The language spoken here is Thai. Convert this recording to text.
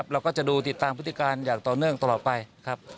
เราก็จะดูติดตามพฤติการอย่างต่อเนื่องตลอดไปครับ